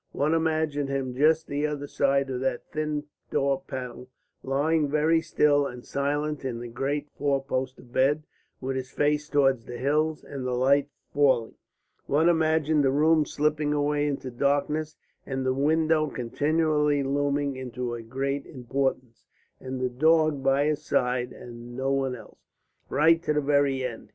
One imagined him just the other side of that thin door panel, lying very still and silent in the great four poster bed with his face towards the hills, and the light falling. One imagined the room slipping away into darkness, and the windows continually looming into a greater importance, and the dog by his side and no one else, right to the very end.